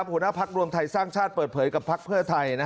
หัวหน้าพักรวมไทยสร้างชาติเปิดเผยกับพักเพื่อไทย